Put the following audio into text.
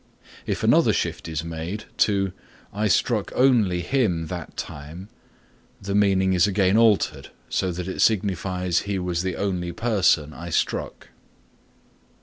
If another shift is made to "I struck only him that time," the meaning is again altered so that it signifies he was the only person I struck.